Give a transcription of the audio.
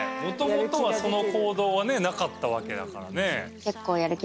もともとはその行動はねなかったわけだからね。